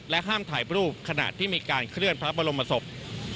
ห้ามถ่ายรูปขณะที่มีการเคลื่อนพระบรมศพ